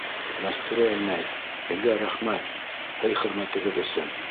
Мәстүрә инәй, һеҙгә рәхмәт һый-хөрмәтегеҙ өсөн.